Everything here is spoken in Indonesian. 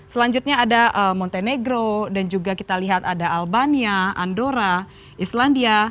selanjutnya ada montenegro dan juga kita lihat ada albania andora islandia